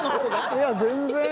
いや全然。